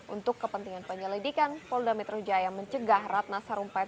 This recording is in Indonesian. untuk kepentingan penyelidikan polda metrojaya mencegah ratna sorumpait